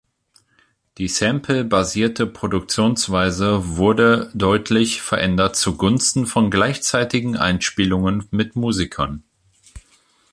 Die Sample-basierte Produktionsweise wurde deutlich verändert zu Gunsten von gleichzeitigen Einspielungen mit Musikern.